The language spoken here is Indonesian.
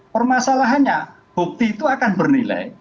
permasalahannya bukti itu akan bernilai